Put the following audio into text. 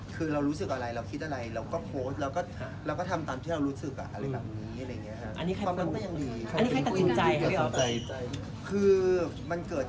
คือเรารู้สึกากับอะไรเราคิดอะไรเราก็โพสต์เราก็ทำตามที่เรารู้สึก